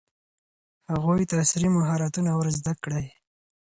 هغوی ته عصري مهارتونه ور زده کړئ.